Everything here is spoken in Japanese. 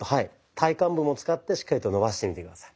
体幹部も使ってしっかりと伸ばしてみて下さい。